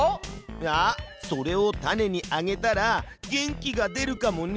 あっそれを種にあげたら元気が出るかもね。